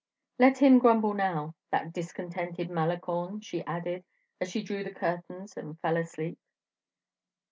Let him grumble now, that discontented Malicorne," she added, as she drew the curtains and fell asleep.